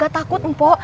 gak takut pok